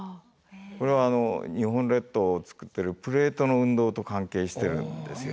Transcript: これは日本列島をつくってるプレートの運動と関係してるんですよ。